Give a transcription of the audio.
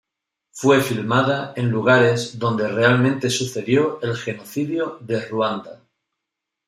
Fue filmada en lugares donde realmente sucedió el genocidio de Ruanda.